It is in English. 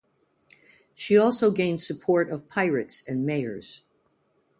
She also gained support of Pirates and Mayors